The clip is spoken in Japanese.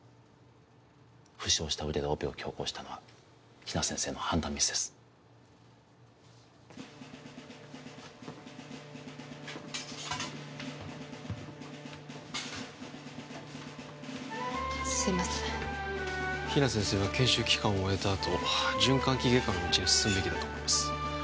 負傷した腕でオペを強行したのは比奈先生の判断ミスですすいません比奈先生は研修期間を終えたあと循環器外科の道へ進むべきだと思います